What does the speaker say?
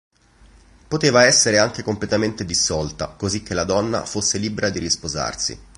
Poteva essere anche completamente dissolta, così che la donna fosse libera di risposarsi.